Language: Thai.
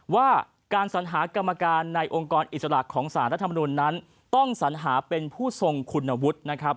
ว่าการสัญหากรรมการในองค์กรอิสระของสารรัฐมนุนนั้นต้องสัญหาเป็นผู้ทรงคุณวุฒินะครับ